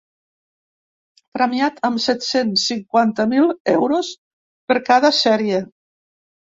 Premiat amb set-cents cinquanta mil euros per cada sèrie.